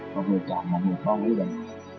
một người chàng một người con một người đồng